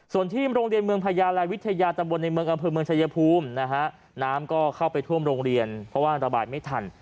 ส่วนที่โรงเรียนเมืองพญาลายวิทยาตำบลในเมืองอำเภอเมืองชายภูมินะฮะน้ำก็เข้าไปท่วมโรงเรียนเพราะว่าระบายไม่ทัน